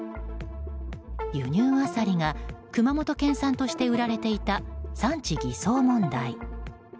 輸入アサリが熊本県産として売られていた産地偽装問題。